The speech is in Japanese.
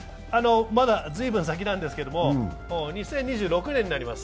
まだ随分先なんですけれども２０２６年になります。